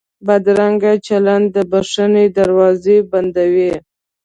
بدرنګه چلند د بښنې دروازې بندوي